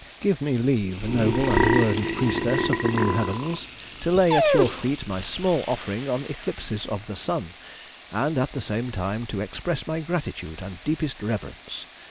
Give me leave, noble and worthy priestess of the new heavens, to lay at your feet my small offering on eclipses of the sun, and at the same time to express my gratitude and deepest reverence.